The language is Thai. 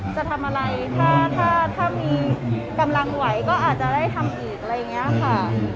จะทำอะไรถ้ามีกำลังไหวก็อาจจะได้ทำอีกอะไรอย่างนี้ค่ะ